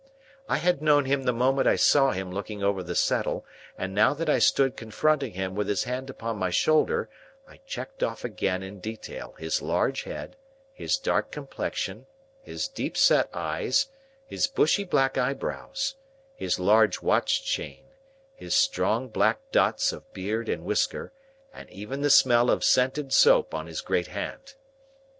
I had known him the moment I saw him looking over the settle, and now that I stood confronting him with his hand upon my shoulder, I checked off again in detail his large head, his dark complexion, his deep set eyes, his bushy black eyebrows, his large watch chain, his strong black dots of beard and whisker, and even the smell of scented soap on his great hand.